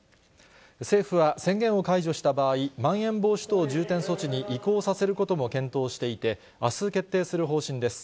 政府は、宣言を解除した場合、まん延防止等重点措置に移行させることも検討していて、あす、決定する方針です。